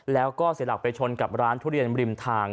แล้วก็เสียหลักไปชนกับร้านทุเรียนริมทาง